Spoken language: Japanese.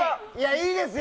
いいですよ！